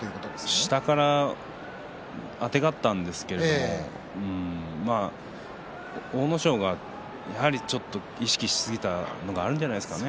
下からあてがったんですけれども阿武咲がちょっと意識しすぎたのがあるんじゃないですかね。